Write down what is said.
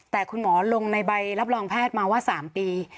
แต่คุณหมอลงในใบรับรองแพทย์มาว่า๓ปี